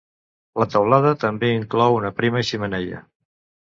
La teulada també inclou una prima xemeneia.